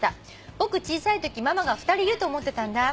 「『僕小さいときママが２人いると思ってたんだ』」